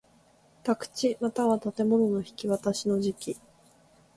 宅地又は建物の引渡しの時期